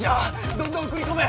どんどん送り込め！